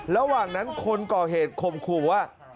ระหว่างนั้นคนก่อเหตุข่มขู่ว่า